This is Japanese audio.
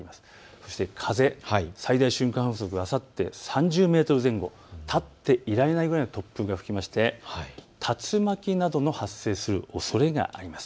そして風、最大瞬間風速があさって３０メートル前後、立っていられないぐらいの突風が吹きまして竜巻など発生するおそれがあります。